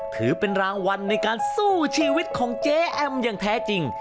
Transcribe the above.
ถือเป็นรางวัลในการสู้ชีวิตของเจ๊แอมอย่างแท้จริง